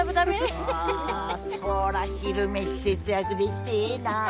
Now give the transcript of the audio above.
あそら昼飯節約できてええな。